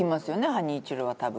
ハニーチュロは多分。